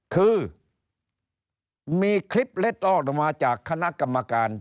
คือมีคลิปเล็ดลอดออกมาจากคณะกรรมการ